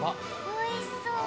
おいしそう。